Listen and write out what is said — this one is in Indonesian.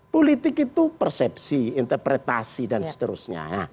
politik itu persepsi interpretasi dan seterusnya